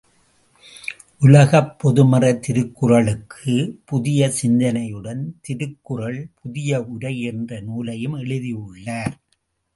உலகப் பொதுமறை திருக்குறளுக்கு புதிய சிந்தனையுடன் திருக்குறள் புதிய உரை என்ற நூலையும் எழுதியுள்ளார்.